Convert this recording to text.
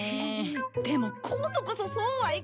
でも今度こそそうはいかない！